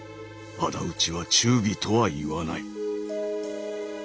あだ討ちは忠義とは言わない」。